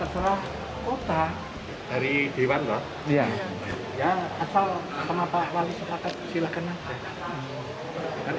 kota dari dewan loh ya asal sama pak wali sosaka silahkan